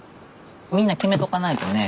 みんな決めとかないとね